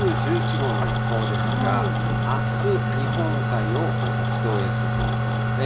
台風１１号の予想ですが、あす、日本海を北東へ進みそうですね。